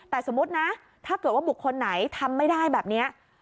แต่สมมุตินะถ้าเกิดว่าบุคคลไหนทำไม่ได้แบบนี้